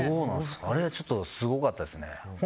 あれはちょっとすごかったですね。